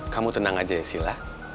kamu tenang aja ya sila